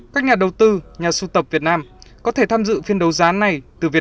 các nhà đầu tư nhà sưu tập việt nam có thể tham dự phiên đấu giá này